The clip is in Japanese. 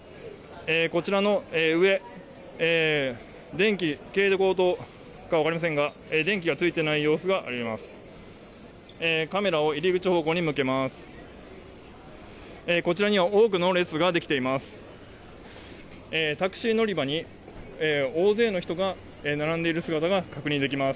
こちらの上電気、蛍光灯か分かりませんが電気がついていない様子が分かります。